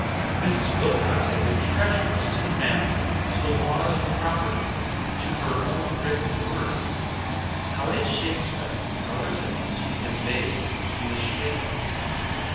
Mrs. Wilcox had been treacherous to the family, to the laws of property, to her own written word. How did she expect Howards End to be conveyed to Miss Schlegel?